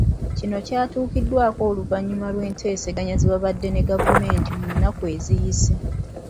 Kino kyatuukiddwako oluvannyuma lw'enteeseganya ze baabadde ne gavumenti munaku eziyise.